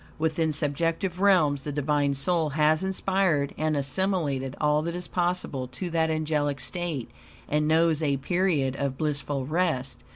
Within subjective realms the Divine soul has inspired and assimilated all that is possible to that angelic state, and knows a period of blissful rest.